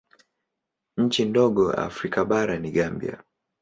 Nchi ndogo Afrika bara ni Gambia.